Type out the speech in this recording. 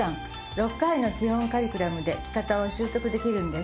６回の基本カリキュラムで着方を習得できるんです。